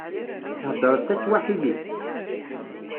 Theddreḍ taswaḥilit?